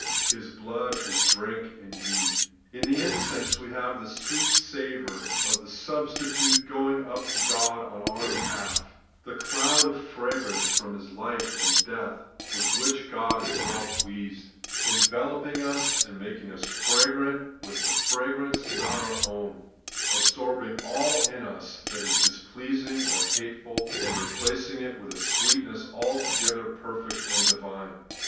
' His blood is drink indeed.' In the incense we have the ' sweet savour ' of the substitute going up to God in our behalf; the cloud of fragrance from His life and death with which God Ood!8 Becogntiion of Svhstitution. 21 is well pleased, enveloping tub and making us fragrant with a fragrance not our own ; absorbing all in us that is displeasing or hateful, and replacing it with a sweetness altogether perfect and divine.